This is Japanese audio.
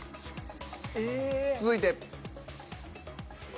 続いて。